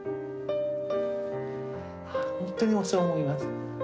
本当にそう思います。